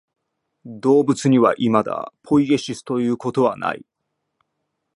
動物にはいまだポイエシスということはない。